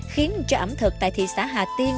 khiến cho ẩm thực tại thị xã hà tiên